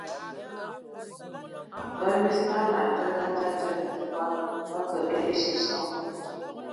Ngə mi ngənan tə kad ndian fon, mə katəya nsom.